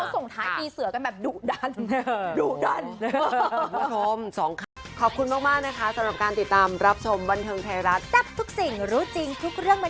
ชั้นเชื่อน่ะว่าเรขนี้มันต้องออก๑ตัวนึงอะ